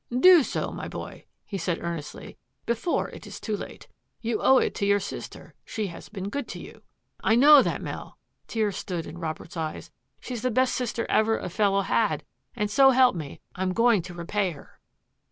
" Do so, my boy," he said earnestly, " before it is too late. You owe it to your sister — she has been good to you." " I know that, Mel," tears stood in Robert's eyes, " she's the best sister ever a fellow had and, so help me ! I'm going to repay her."